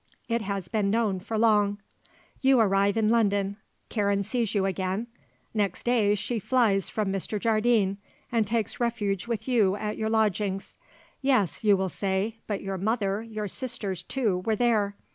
It has been known for long. You arrive in London; Karen sees you again; next day she flies from Mr. Jardine and takes refuge with you at your lodgings. Yes, you will say, but your mother, your sisters, too, were there.